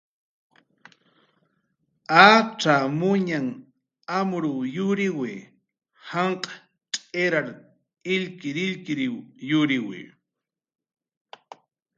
Acxamuñanh amruw yuriwi, janq' tz'irar illkirillkiriw yuriwi